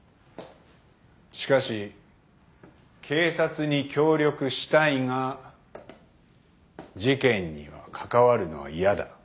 しかし警察に協力したいが事件には関わるのは嫌だ。